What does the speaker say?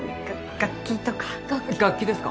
楽器ですか？